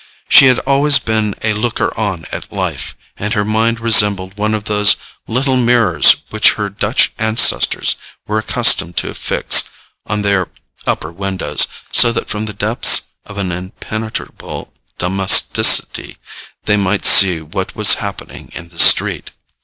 She had always been a looker on at life, and her mind resembled one of those little mirrors which her Dutch ancestors were accustomed to affix to their upper windows, so that from the depths of an impenetrable domesticity they might see what was happening in the street.